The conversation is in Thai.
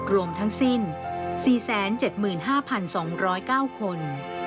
รวมทั้งสิ้น๔๗๕๒๐๙คน